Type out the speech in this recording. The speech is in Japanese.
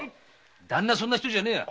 旦那はそんな人じゃねえや。